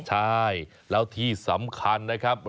ใช่แล้วที่สำคัญนะครับ